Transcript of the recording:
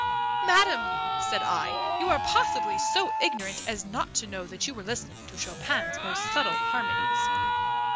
"Madam," said I, "you are possibly so ignorant as not to know that you were listening to Chopin's most subtle harmonies."